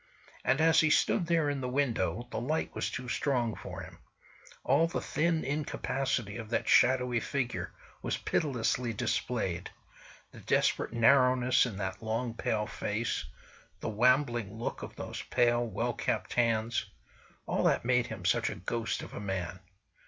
And as he stood there in the window the light was too strong for him. All the thin incapacity of that shadowy figure was pitilessly displayed; the desperate narrowness in that long, pale face; the wambling look of those pale, well kept hands—all that made him such a ghost of a man.